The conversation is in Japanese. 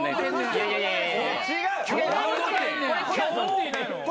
いやいやいや。